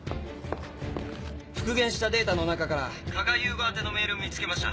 復元したデータの中から加賀雄吾宛てのメールを見つけました。